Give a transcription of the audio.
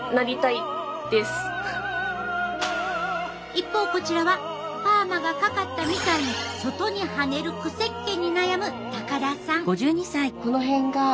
一方こちらはパーマがかかったみたいに外にはねるくせっ毛に悩む高田さん。